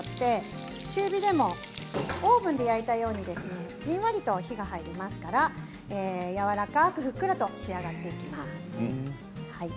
中火でもオーブンで焼いたようにじんわりと火が入りますからやわらかくふっくらと仕上がっていきます。